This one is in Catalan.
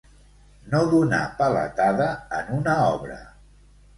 No donar paletada en una obra.